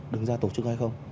đứng ra tổ chức hay không